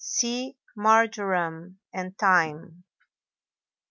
See Marjoram, and Thyme.